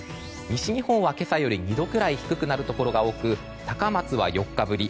西日本は今朝より２度ぐらい低くなるところが多く高松は４日ぶり